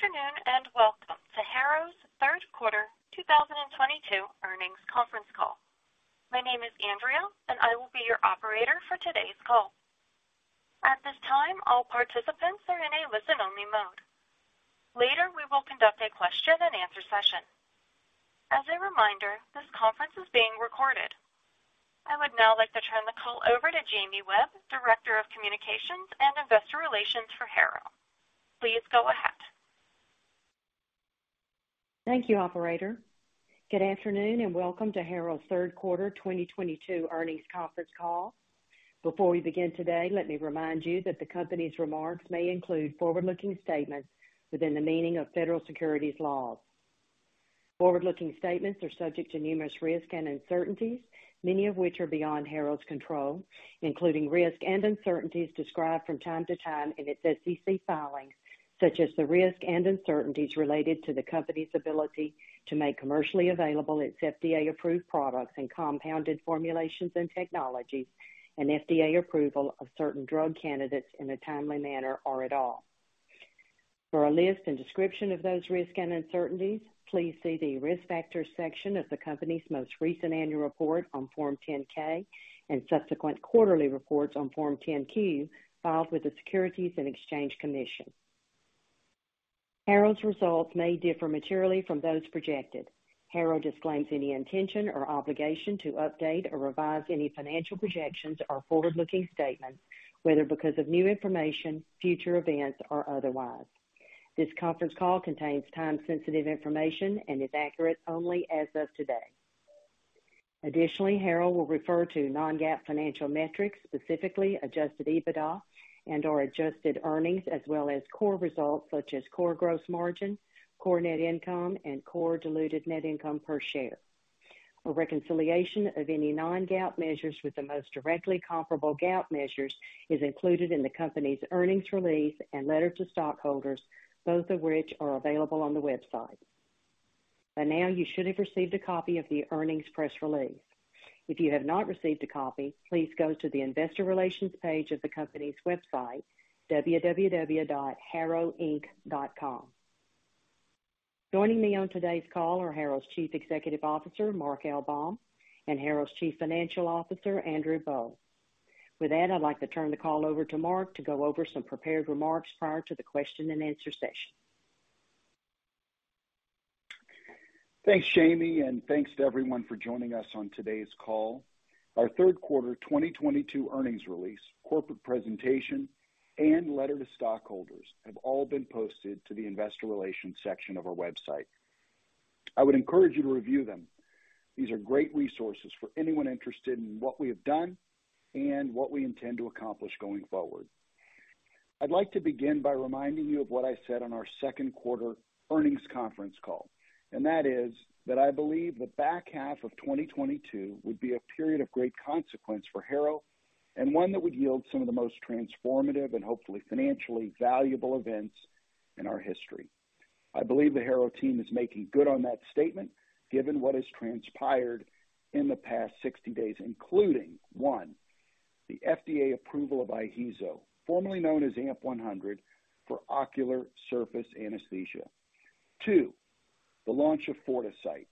Good afternoon, and welcome to Harrow's Q3 2022 earnings conference call. My name is Andrea, and I will be your operator for today's call. At this time, all participants are in a listen-only mode. Later, we will conduct a question-and-answer session. As a reminder, this conference is being recorded. I would now like to turn the call over to Jamie Webb, Director of Communications and Investor Relations for Harrow. Please go ahead. Thank you, operator. Good afternoon, and welcome to Harrow's Q3 2022 earnings conference call. Before we begin today, let me remind you that the company's remarks may include forward-looking statements within the meaning of Federal securities laws. Forward-looking statements are subject to numerous risks and uncertainties, many of which are beyond Harrow's control, including risks and uncertainties described from time to time in its SEC filings, such as the risks and uncertainties related to the company's ability to make commercially available its FDA-approved products and compounded formulations and technologies and FDA approval of certain drug candidates in a timely manner or at all. For a list and description of those risks and uncertainties, please see the Risk Factors section of the company's most recent annual report on Form 10-K and subsequent quarterly reports on Form 10-Q filed with the Securities and Exchange Commission. Harrow's results may differ materially from those projected. Harrow disclaims any intention or obligation to update or revise any financial projections or forward-looking statements, whether because of new information, future events, or otherwise. This conference call contains time-sensitive information and is accurate only as of today. Additionally, Harrow will refer to non-GAAP financial metrics, specifically adjusted EBITDA and/or adjusted earnings, as well as core results such as core gross margin, core net income, and core diluted net income per share. A reconciliation of any non-GAAP measures with the most directly comparable GAAP measures is included in the company's earnings release and letter to stockholders, both of which are available on the website. By now, you should have received a copy of the earnings press release. If you have not received a copy, please go to the investor relations page of the company's website, www.harrowinc.com. Joining me on today's call are Harrow's Chief Executive Officer, Mark L. Baum, and Harrow's Chief Financial Officer, Andrew R. Boll. With that, I'd like to turn the call over to Mark to go over some prepared remarks prior to the question-and-answer session. Thanks, Jamie, and thanks to everyone for joining us on today's call. Our Q3 2022 earnings release, corporate presentation, and letter to stockholders have all been posted to the investor relations section of our website. I would encourage you to review them. These are great resources for anyone interested in what we have done and what we intend to accomplish going forward. I'd like to begin by reminding you of what I said on our Q2 earnings conference call, and that is that I believe the back half of 2022 would be a period of great consequence for Harrow and one that would yield some of the most transformative and hopefully financially valuable events in our history. I believe the Harrow team is making good on that statement, given what has transpired in the past 60 days, including, one, the FDA approval of IHEEZO, formerly known as AMP-100, for ocular surface anesthesia. two, the launch of Fortisite,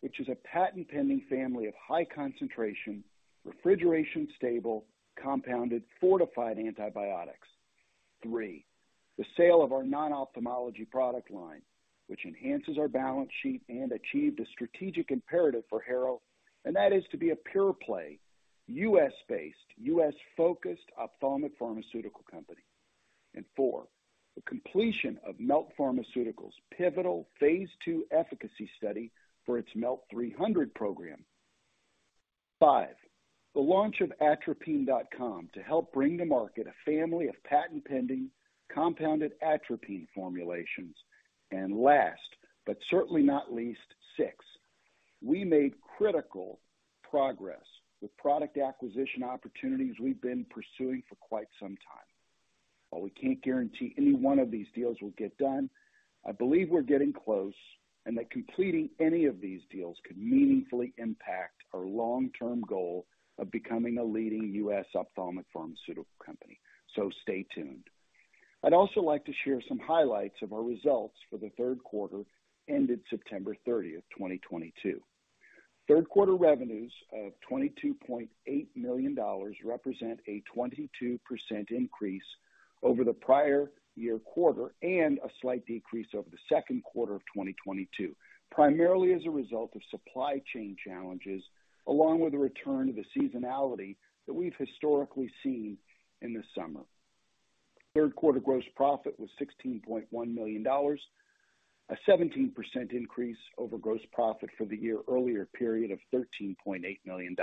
which is a patent-pending family of high-concentration, refrigeration-stable, compounded, fortified antibiotics. three, the sale of our non-ophthalmology product line, which enhances our balance sheet and achieved a strategic imperative for Harrow, and that is to be a pure-play, U.S.-based, U.S.-focused ophthalmic pharmaceutical company. Four, the completion of Melt Pharmaceuticals' pivotal phase 2 efficacy study for its MELT-300 program. Five, the launch of atropine.com to help bring to market a family of patent-pending compounded atropine formulations. Last, but certainly not least, six, we made critical progress with product acquisition opportunities we've been pursuing for quite some time. While we can't guarantee any one of these deals will get done, I believe we're getting close and that completing any of these deals could meaningfully impact our long-term goal of becoming a leading U.S. ophthalmic pharmaceutical company. Stay tuned. I'd also like to share some highlights of our results for Q3 ended September 30, 2022. Q3 revenues of $22.8 million represent a 22% increase over the prior year quarter and a slight decrease over Q2 of 2022, primarily as a result of supply chain challenges, along with the return to the seasonality that we've historically seen in the summer. Q3 gross profit was $16.1 million, a 17% increase over gross profit for the year earlier period of $13.8 million.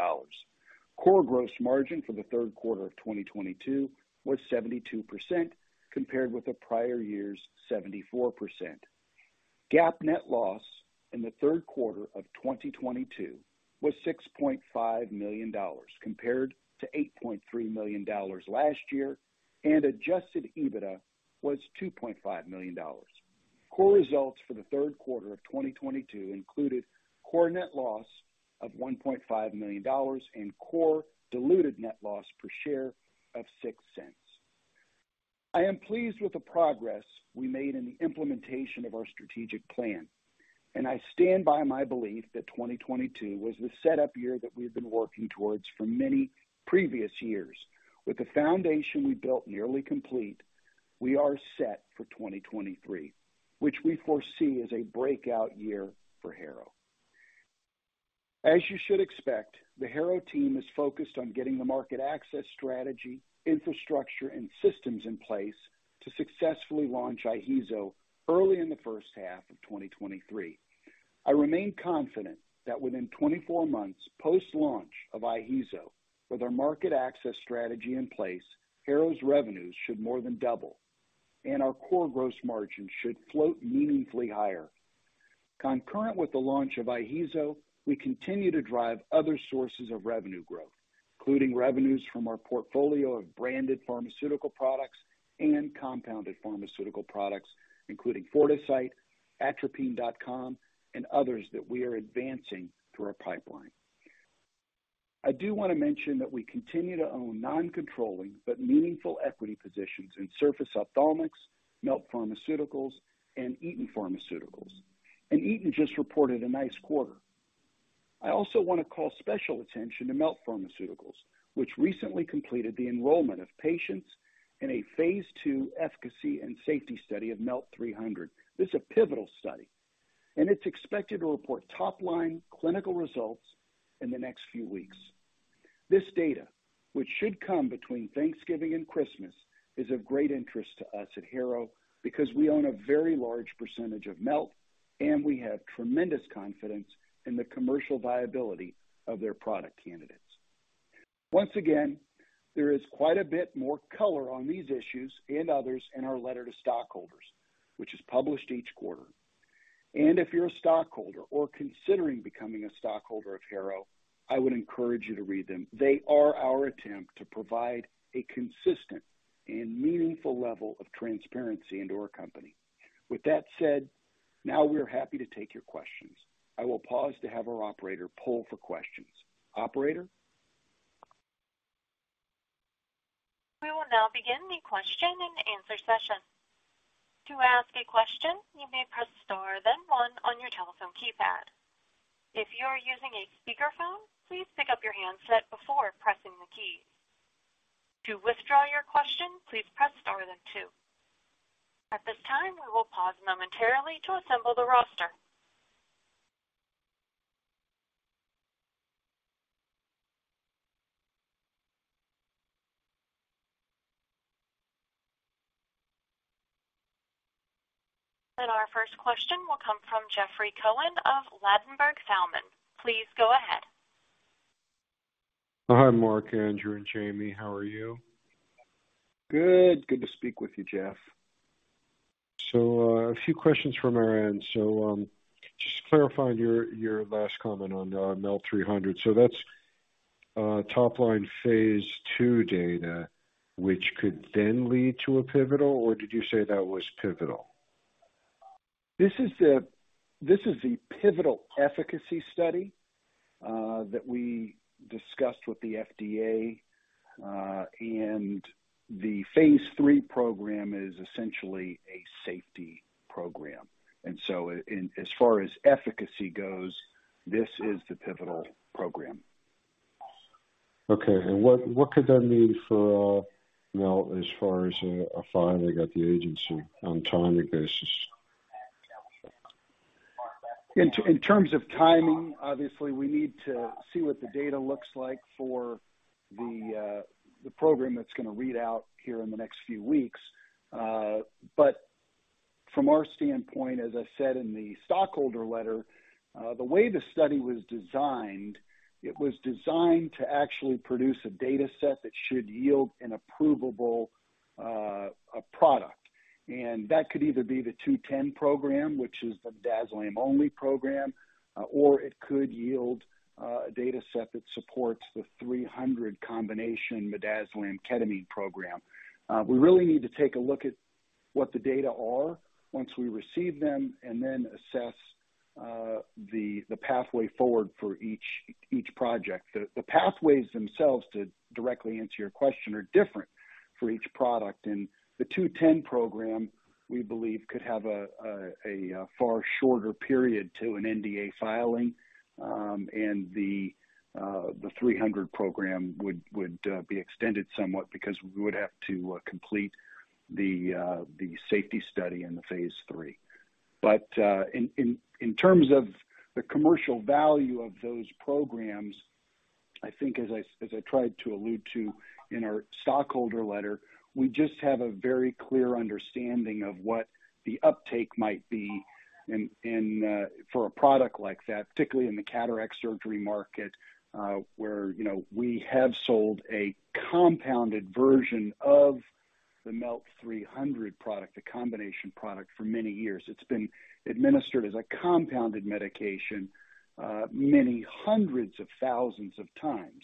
Core gross margin for Q3 of 2022 was 72% compared with the prior year's 74%. GAAP net loss in Q3 of 2022 was $6.5 million compared to $8.3 million last year, and adjusted EBITDA was $2.5 million. Core results for Q3 of 2022 included core net loss of $1.5 million and core diluted net loss per share of $0.06. I am pleased with the progress we made in the implementation of our strategic plan, and I stand by my belief that 2022 was the setup year that we've been working towards for many previous years. With the foundation we built nearly complete, we are set for 2023, which we foresee as a breakout year for Harrow. As you should expect, the Harrow team is focused on getting the market access strategy, infrastructure, and systems in place to successfully launch IHEEZO early in the first half of 2023. I remain confident that within 24 months post-launch of IHEEZO with our market access strategy in place, Harrow's revenues should more than double, and our core gross margin should float meaningfully higher. Concurrent with the launch of IHEEZO, we continue to drive other sources of revenue growth, including revenues from our portfolio of branded pharmaceutical products and compounded pharmaceutical products, including Fortisite, atropine.com, and others that we are advancing through our pipeline. I do wanna mention that we continue to own non-controlling but meaningful equity positions in Surface Ophthalmics, Melt Pharmaceuticals, and Eton Pharmaceuticals. Eton just reported a nice quarter. I also want to call special attention to Melt Pharmaceuticals, which recently completed the enrollment of patients in a phase 2 efficacy and safety study of MELT-300. This is a pivotal study, and it's expected to report top-line clinical results in the next few weeks. This data, which should come between Thanksgiving and Christmas, is of great interest to us at Harrow because we own a very large percentage of Melt, and we have tremendous confidence in the commercial viability of their product candidates. Once again, there is quite a bit more color on these issues and others in our letter to stockholders, which is published each quarter. If you're a stockholder or considering becoming a stockholder of Harrow, I would encourage you to read them. They are our attempt to provide a consistent and meaningful level of transparency into our company. With that said, now we are happy to take your questions. I will pause to have our operator poll for questions. Operator? We will now begin the question-and-answer session. To ask a question, you may press Star-Then One on your telephone keypad. If you are using a speakerphone, please pick up your handset before pressing the key. To withdraw your question, please press Star then Two. At this time, we will pause momentarily to assemble the roster. Our first question will come from Jeffrey Cohen of Ladenburg Thalmann. Please go ahead. Hi, Mark, Andrew, and Jamie. How are you? Good. Good to speak with you, Jeff. A few questions from our end. Just clarifying your last comment on MELT-300. That's top-line phase 2 data, which could then lead to a pivotal, or did you say that was pivotal? This is the pivotal efficacy study that we discussed with the FDA, and the phase 3 program is essentially a safety program. As far as efficacy goes, this is the pivotal program. Okay. What could that mean for, as far as a filing at the agency on timing basis? In terms of timing, obviously, we need to see what the data looks like for the program that's gonna read out here in the next few weeks. From our standpoint, as I said in the stockholder letter, the way the study was designed, it was designed to actually produce a data set that should yield an approvable product. That could either be the two ten program, which is the midazolam only program, or it could yield a data set that supports the three hundred combination midazolam ketamine program. We really need to take a look at what the data are once we receive them and then assess the pathway forward for each project. The pathways themselves, to directly answer your question, are different for each product. The MELT-210 program, we believe, could have a far shorter period to an NDA filing, and the MELT-300 program would be extended somewhat because we would have to complete the safety study in the phase three. In terms of the commercial value of those programs, I think as I tried to allude to in our stockholder letter, we just have a very clear understanding of what the uptake might be in for a product like that, particularly in the cataract surgery market, where, we have sold a compounded version of the MELT-300 product, a combination product, for many years. It's been administered as a compounded medication many hundreds of thousands of times.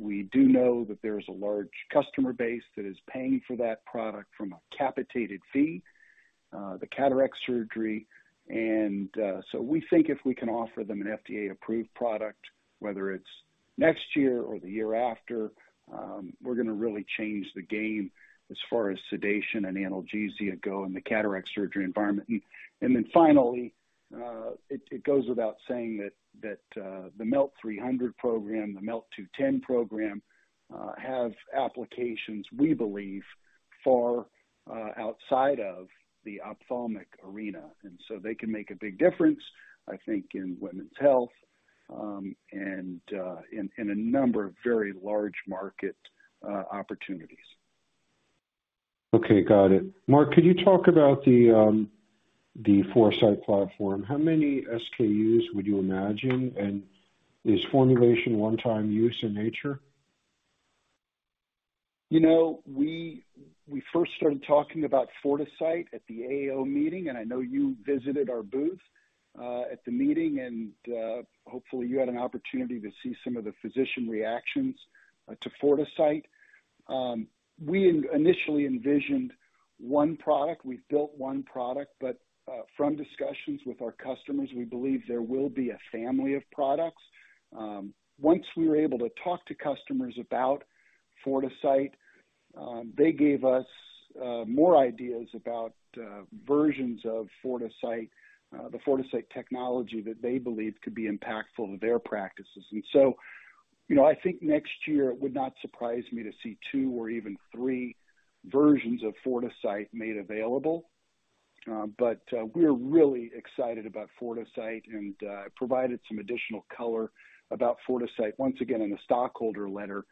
We do know that there's a large customer base that is paying for that product from a capitated fee, the cataract surgery. We think if we can offer them an FDA-approved product, whether it's next year or the year after, we're gonna really change the game as far as sedation and analgesia go in the cataract surgery environment. Finally, it goes without saying that the MELT-300 program, the MELT-210 program, have applications we believe far outside of the ophthalmic arena. They can make a big difference, I think, in women's health, and in a number of very large market opportunities. Okay, got it. Mark, could you talk about the Fortisite platform? How many SKUs would you imagine? And is formulation one-time use in nature? We first started talking about Fortisite at the AAO meeting, and I know you visited our booth at the meeting, and hopefully you had an opportunity to see some of the physician reactions to Fortisite. We initially envisioned one product. We've built one product, but from discussions with our customers, we believe there will be a family of products. Once we were able to talk to customers about Fortisite, they gave us more ideas about versions of Fortisite, the Fortisite technology that they believe could be impactful in their practices. You know, I think next year it would not surprise me to see two or even three versions of Fortisite made available. We're really excited about Fortisite and provided some additional color about Fortisite once again in the stockholder letter.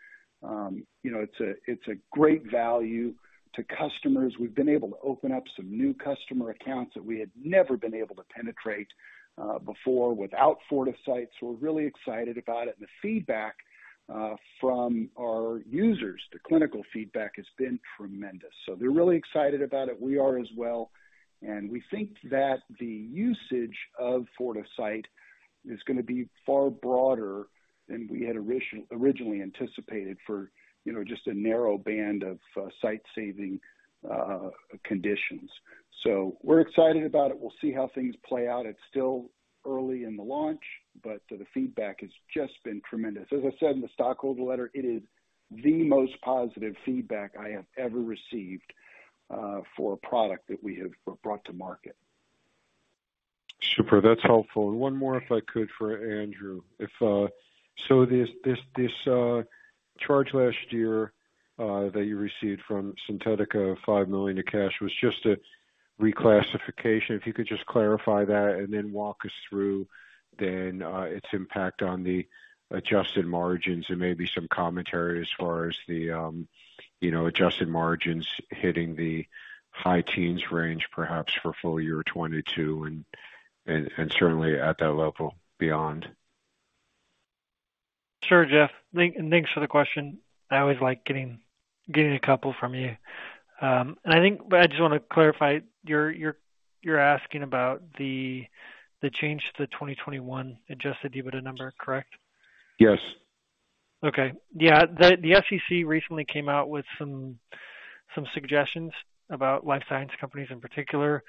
It's a great value to customers. We've been able to open up some new customer accounts that we had never been able to penetrate before without Fortisite. We're really excited about it. The feedback from our users, the clinical feedback has been tremendous. They're really excited about it. We are as well. We think that the usage of Fortisite is gonna be far broader than we had originally anticipated for, just a narrow band of sight-saving conditions. We're excited about it. We'll see how things play out. It's still early in the launch, but the feedback has just been tremendous. As I said in the stockholder letter, it is the most positive feedback I have ever received for a product that we have brought to market. Super, that's helpful. One more if I could for Andrew. This charge last year that you received from Sintetica, $5 million of cash, was just a reclassification. If you could just clarify that and then walk us through then its impact on the adjusted margins and maybe some commentary as far as the, adjusted margins hitting the high teens range, perhaps for full year 2022 and certainly at that level beyond. Sure, Jeff. Thanks for the question. I always like getting a couple from you. I think I just wanna clarify, you're asking about the change to 2021 adjusted EBITDA number, correct? Yes. The SEC recently came out with some suggestions about life science companies in particular,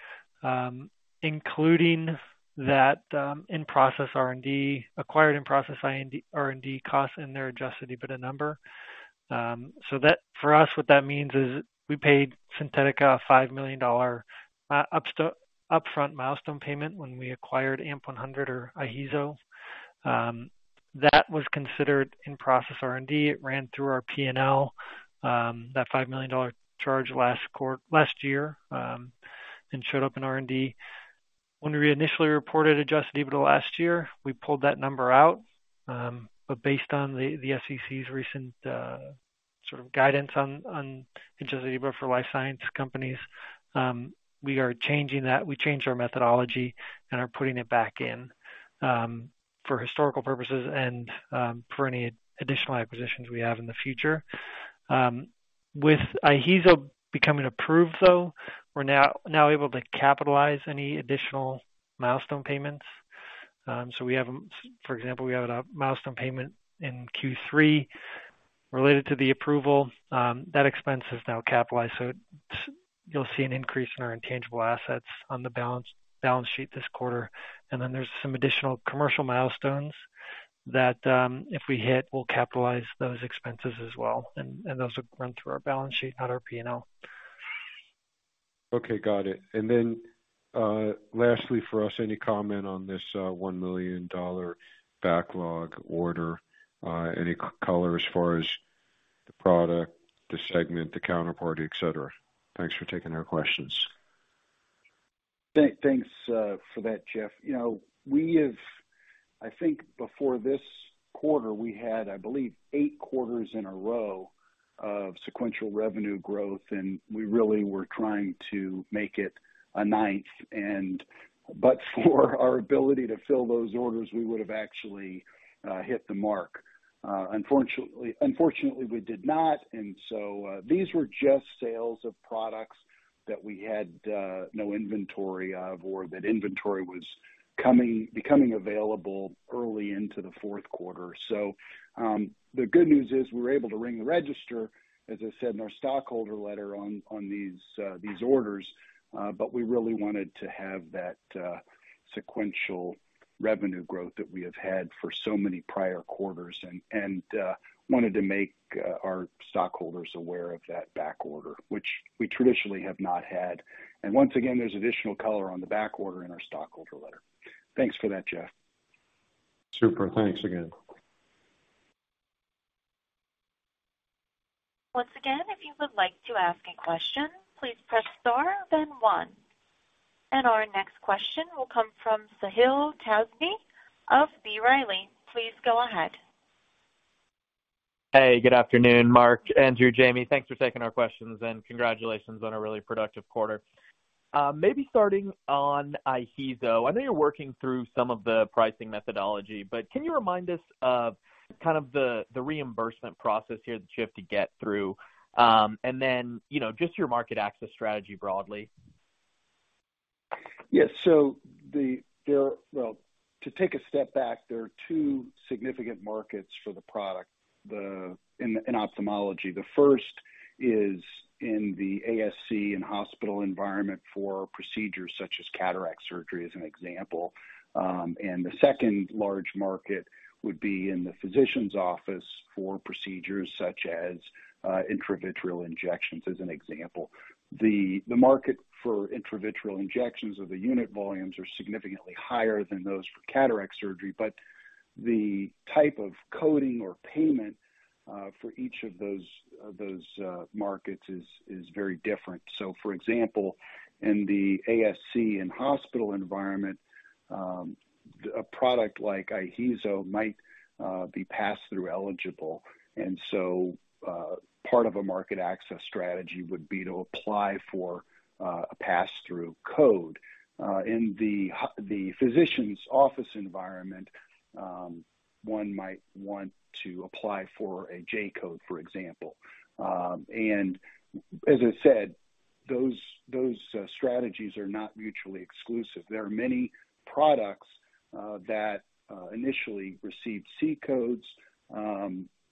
including that in-process R&D, acquired in-process R&D costs in their adjusted EBITDA number. That for us, what that means is we paid Sintetica a $5 million upfront milestone payment when we acquired AMP-100 or IHEEZO. That was considered in-process R&D. It ran through our P&L, that $5 million charge last year, and showed up in R&D. When we initially reported adjusted EBITDA last year, we pulled that number out. Based on the SEC's recent sort of guidance on adjusted EBITDA for life science companies, we are changing that. We changed our methodology and are putting it back in for historical purposes and for any additional acquisitions we have in the future. With IHEEZO becoming approved, though, we're now able to capitalize any additional milestone payments. We have, for example, a milestone payment in Q3 related to the approval. That expense is now capitalized, so you'll see an increase in our intangible assets on the balance sheet this quarter. Then there's some additional commercial milestones that, if we hit, we'll capitalize those expenses as well. Those will run through our balance sheet, not our P&L. Okay, got it. Lastly for us, any comment on this $1 million backlog order? Any color as far as the product, the segment, the counterparty, et cetera? Thanks for taking our questions. Thanks, Jeff. We have. I think before this quarter, we had, I believe eight quarters in a row of sequential revenue growth, and we really were trying to make it a ninth. But for our ability to fill those orders, we would have actually hit the mark. Unfortunately, we did not. These were just sales of products that we had no inventory of, or that inventory was becoming available early into Q4. The good news is we were able to ring the register, as I said in our stockholder letter on these orders. We really wanted to have that sequential revenue growth that we have had for so many prior quarters and wanted to make our stockholders aware of that back order, which we traditionally have not had. Once again, there's additional color on the back order in our stockholder letter. Thanks for that, Jeff. Super. Thanks again. Once again, if you would like to ask a question, please press Star then One. Our next question will come from Sahil Kazmi of B. Riley. Please go ahead. Hey, good afternoon, Mark, Andrew, Jamie. Thanks for taking our questions, and congratulations on a really productive quarter. Maybe starting on IHEEZO. I know you're working through some of the pricing methodology, but can you remind us of kind of the reimbursement process here that you have to get through? You know, just your market access strategy broadly. Yes. Well, to take a step back, there are two significant markets for the product in ophthalmology. The first is in the ASC and hospital environment for procedures such as cataract surgery, as an example. The second large market would be in the physician's office for procedures such as intravitreal injections, as an example. The market for intravitreal injections or the unit volumes are significantly higher than those for cataract surgery, but the type of coding or payment for each of those markets is very different. For example, in the ASC and hospital environment, a product like IHEEZO might be pass-through eligible. Part of a market access strategy would be to apply for a pass-through code. In the physician's office environment, one might want to apply for a J code, for example. As I said, those strategies are not mutually exclusive. There are many products that initially received C codes.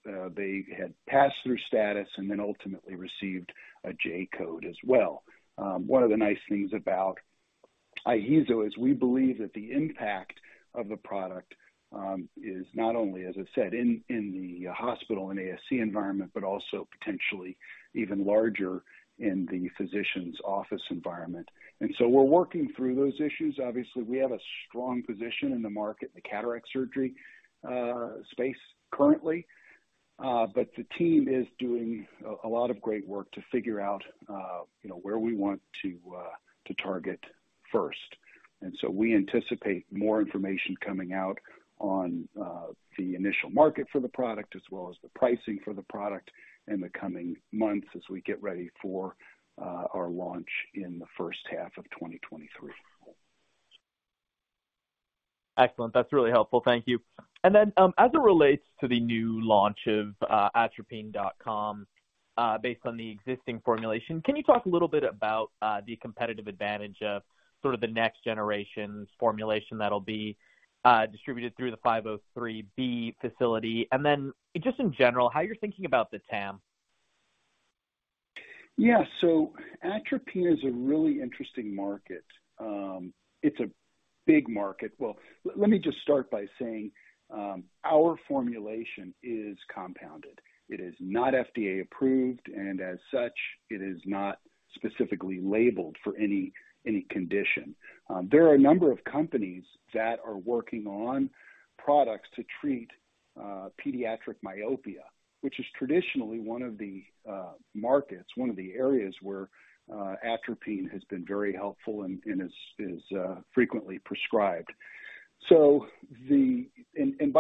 They had pass-through status and then ultimately received a J code as well. One of the nice things about IHEEZO is we believe that the impact of the product is not only, as I said, in the hospital and ASC environment, but also potentially even larger in the physician's office environment. We're working through those issues. Obviously, we have a strong position in the market, in the cataract surgery space currently. But the team is doing a lot of great work to figure out, where we want to target first. We anticipate more information coming out on the initial market for the product as well as the pricing for the product in the coming months as we get ready for our launch in the first half of 2023. Excellent. That's really helpful. Thank you. As it relates to the new launch of atropine.com, based on the existing formulation, can you talk a little bit about the competitive advantage of sort of the next generation formulation that'll be distributed through the 503B facility? Just in general, how you're thinking about the TAM. Yeah. Atropine is a really interesting market. It's a big market. Let me just start by saying, our formulation is compounded. It is not FDA approved, and as such, it is not specifically labeled for any condition. There are a number of companies that are working on products to treat pediatric myopia, which is traditionally one of the markets, one of the areas where atropine has been very helpful and is frequently prescribed.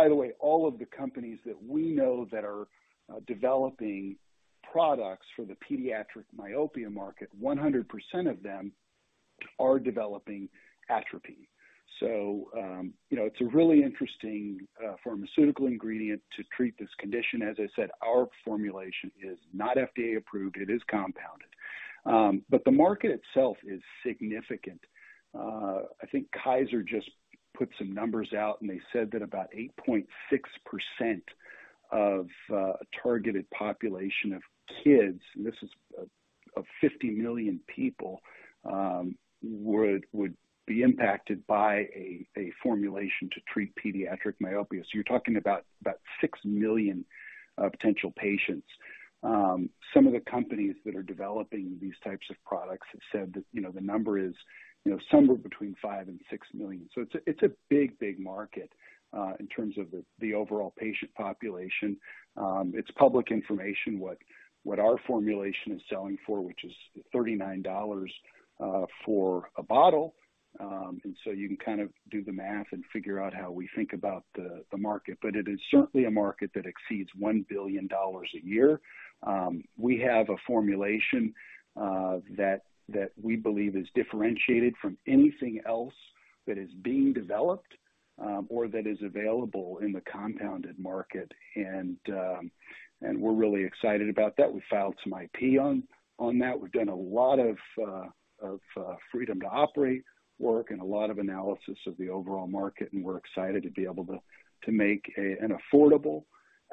By the way, all of the companies that we know that are developing products for the pediatric myopia market, 100% of them are developing atropine. You know, it's a really interesting pharmaceutical ingredient to treat this condition. As I said, our formulation is not FDA approved. It is compounded. The market itself is significant. I think Kaiser just put some numbers out, and they said that about 8.6% of a targeted population of kids, and this is of 50 million people, would be impacted by a formulation to treat pediatric myopia. You're talking about 6 million potential patients. Some of the companies that are developing these types of products have said that, the number is, somewhere between 5-6 million. It's a big market in terms of the overall patient population. It's public information what our formulation is selling for, which is $39 for a bottle. You can kind of do the math and figure out how we think about the market. It is certainly a market that exceeds $1 billion a year. We have a formulation that we believe is differentiated from anything else that is being developed or that is available in the compounded market. We're really excited about that. We filed some IP on that. We've done a lot of freedom to operate work and a lot of analysis of the overall market, and we're excited to be able to make an affordable,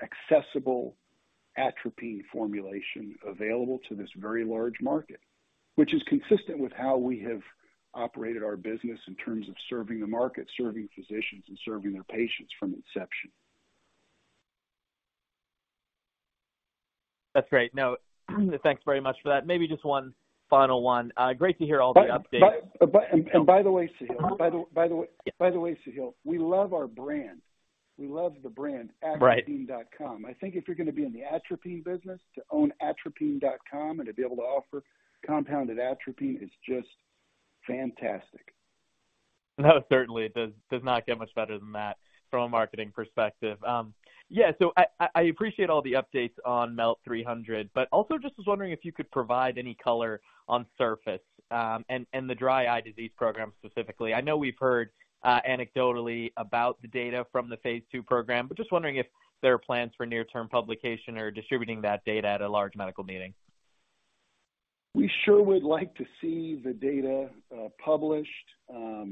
accessible atropine formulation available to this very large market, which is consistent with how we have operated our business in terms of serving the market, serving physicians, and serving their patients from inception. That's great. Now, thanks very much for that. Maybe just one final one. Great to hear all the updates. By the way, Sahil. We love our brand. Right. atropine.com. I think if you're gonna be in the atropine business, to own atropine.com and to be able to offer compounded atropine is just fantastic. No, certainly. It does not get much better than that from a marketing perspective. I appreciate all the updates on MELT-300, but also just was wondering if you could provide any color on Surface Ophthalmics and the dry eye disease program specifically. I know we've heard anecdotally about the data from the phase two program, but just wondering if there are plans for near-term publication or distributing that data at a large medical meeting. We sure would like to see the data published. I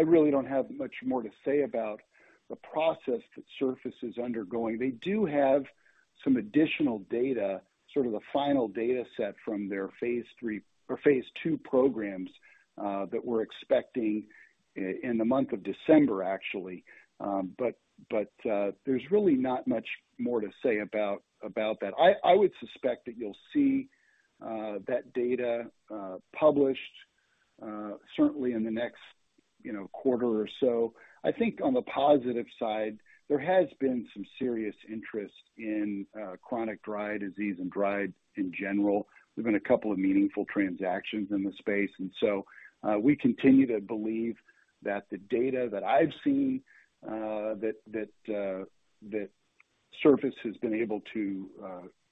really don't have much more to say about the process that Surface is undergoing. They do have some additional data, sort of the final data set from their phase three or phase two programs, that we're expecting in the month of December, actually. But there's really not much more to say about that. I would suspect that you'll see that data published certainly in the next quarter or so. I think on the positive side, there has been some serious interest in chronic dry eye disease and dry eye in general. There's been a couple of meaningful transactions in the space. We continue to believe that the data that I've seen that Surface has been able to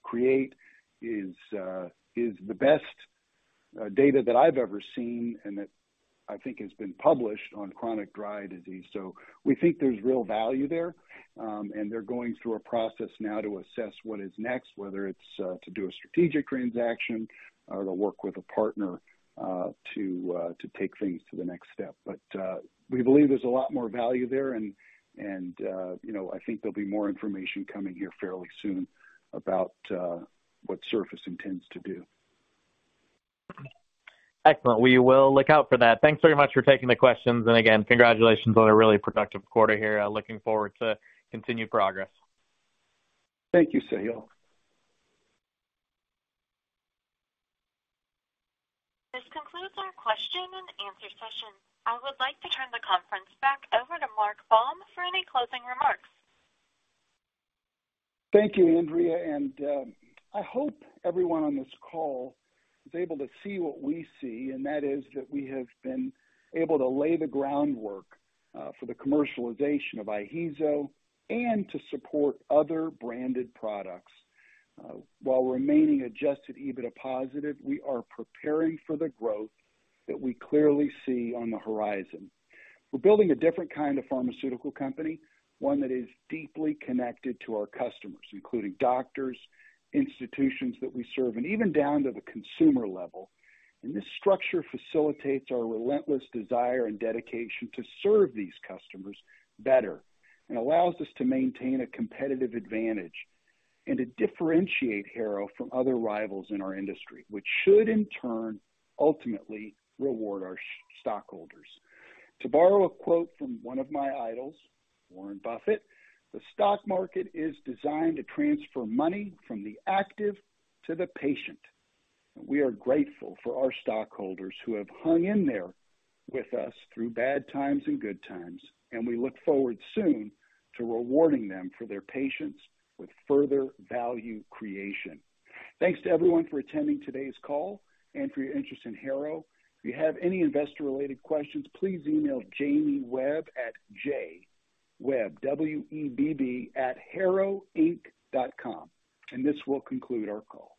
create is the best data that I've ever seen and that I think has been published on chronic dry eye disease. We think there's real value there. They're going through a process now to assess what is next, whether it's to do a strategic transaction or to work with a partner to take things to the next step. We believe there's a lot more value there and, I think there'll be more information coming here fairly soon about what Surface intends to do. Excellent. We will look out for that. Thanks very much for taking the questions. Again, congratulations on a really productive quarter here. Looking forward to continued progress. Thank you, Sahil. This concludes our question and answer session. I would like to turn the conference back over to Mark Baum for any closing remarks. Thank you, Andrea. I hope everyone on this call is able to see what we see, and that is that we have been able to lay the groundwork for the commercialization of IHEEZO and to support other branded products. While remaining adjusted EBITDA positive, we are preparing for the growth that we clearly see on the horizon. We're building a different kind of pharmaceutical company, one that is deeply connected to our customers, including doctors, institutions that we serve, and even down to the consumer level. This structure facilitates our relentless desire and dedication to serve these customers better and allows us to maintain a competitive advantage and to differentiate Harrow from other rivals in our industry, which should in turn ultimately reward our stockholders. To borrow a quote from one of my idols, Warren Buffett, "The stock market is designed to transfer money from the active to the patient." We are grateful for our stockholders who have hung in there with us through bad times and good times, and we look forward soon to rewarding them for their patience with further value creation. Thanks to everyone for attending today's call and for your interest in Harrow. If you have any investor-related questions, please email Jamie Webb at jwebb, W-E-B-B, @harrowinc.com. This will conclude our call.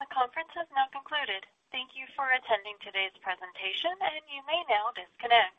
The conference has now concluded. Thank you for attending today's presentation, and you may now disconnect.